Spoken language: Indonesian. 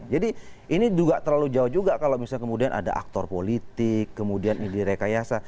jadi ini juga terlalu jauh juga kalau misalnya kemudian ada aktor politik kemudian ini di rekayasa